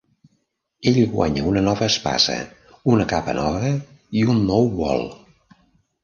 Ell guanya una nova espasa, una capa nova, i un nou bol.